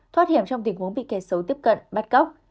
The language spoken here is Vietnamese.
thoát hiểm trong tình huống bị kẻ xấu tiếp cận bắt cóc